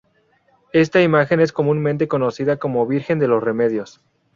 Esta imagen es comúnmente conocida como Virgen de los Remedios.